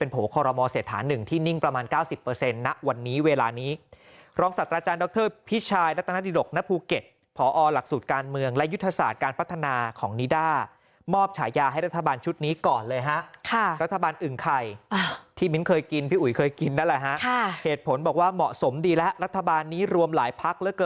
พี่ชายณดิรกณภูเก็ตพอหลักสูตรการเมืองและยุทธศาสตร์การพัฒนาของนิดามอบฉายาให้รัฐบาลชุดนี้ก่อนเลยฮะรัฐบาลอึ่งไข่ที่มิ้นเคยกินพี่อุยเคยกินนะแหละฮะเหตุผลบอกว่าเหมาะสมดีและรัฐบาลนี้รวมหลายพ